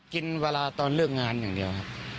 กินเวลาตอนเลิกงานอย่างเดียวครับ